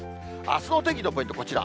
あすのお天気のポイント、こちら。